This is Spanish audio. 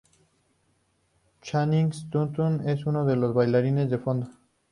Channing Tatum es un de los bailarines de fondo.